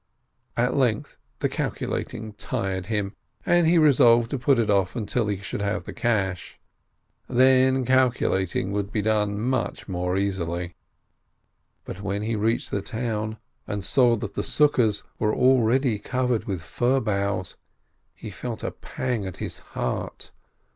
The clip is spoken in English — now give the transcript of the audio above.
At length the calculating tired him, and he resolved to put it off till he should have the cash. Then the calculating would be done much more easily. But when he reached the town, and saw that the booths were already covered with fir boughs, he felt a pang at his heart.